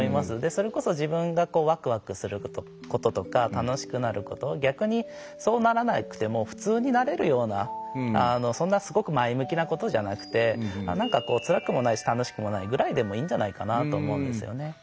それこそ、自分がワクワクすることとか楽しくなること逆に、そうならなくても普通になれるようなそんなすごく前向きなことじゃなくてなんか、つらくもないし楽しくもないぐらいでもいいんじゃないかなと思うんですよね。